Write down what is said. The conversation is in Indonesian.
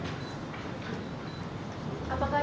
kemudian yang di selu anwar